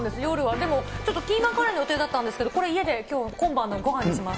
でもちょっとキーマカレーの予定だったんですけど、きょうは家で今晩のごはんにします。